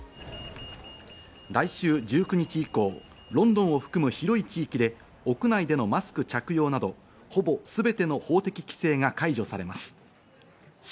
来週１９日以降、ロンドンを含む広い地域で屋内でのマスク着用などほぼすべての法的規制が解除されることになります。